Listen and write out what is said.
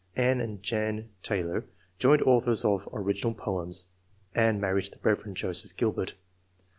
Ann and Jane Taylor, joint authors of "Original Poems" (Ann married the Rev. Joseph Gilbert).